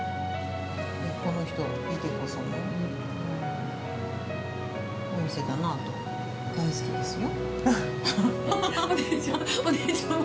この人いてこそのお店だなと、大好きですよ。